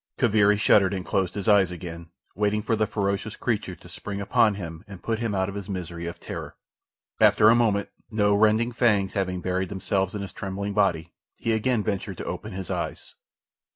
Kaviri shuddered and closed his eyes again, waiting for the ferocious creature to spring upon him and put him out of his misery of terror. After a moment, no rending fangs having buried themselves in his trembling body, he again ventured to open his eyes.